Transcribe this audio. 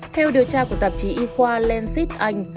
theo điều tra của tạp chí y khoa lansite anh